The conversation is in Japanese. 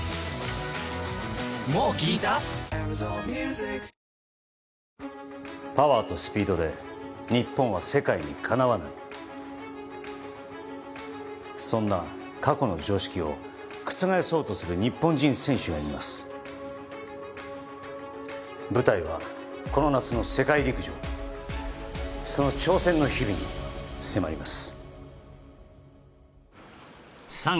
世界陸上に臨む日本人女子の挑戦の日々を追ったパワーとスピードで日本は世界にかなわないそんな過去の常識を覆そうとする日本人選手がいます舞台はこの夏の世界陸上その挑戦の日々に迫ります